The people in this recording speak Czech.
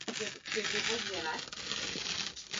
Faktem je, že celkové globální zalednění je víceméně stálé.